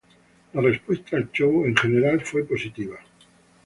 La respuesta al show fue en general positivo.